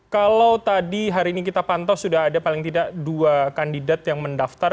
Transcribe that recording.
kalau tadi hari ini kita pantau sudah ada paling tidak dua kandidat yang mendaftar